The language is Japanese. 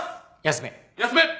休め。